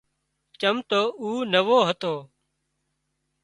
چم تو او نوو هتو